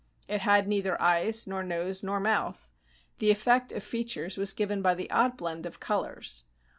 It had neither eyes, nor nose, nor mouth. The effect of features was given by the odd blend of colors.